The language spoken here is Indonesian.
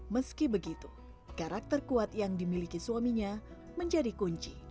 meski begitu karakter kuat yang dimiliki suaminya menjadi kunci